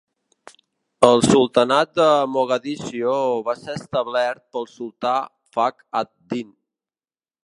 El sultanat de Mogadiscio va ser establert pel sultà Fakr ad-Din.